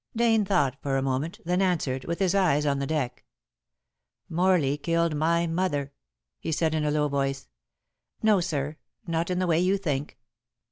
Dane thought for a moment, then answered, with his eyes on the deck, "Morley killed my mother," he said in a low voice. "No, sir, not in the way you think.